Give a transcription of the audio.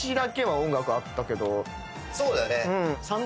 そうだよね。